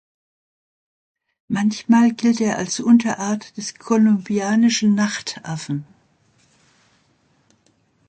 Manchmal gilt er als Unterart des Kolumbianischen Nachtaffen.